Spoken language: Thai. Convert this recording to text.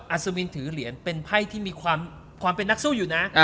อสมินถือเหรียญเป็นไพ่ที่มีความเป็นนักสู้อยู่นะ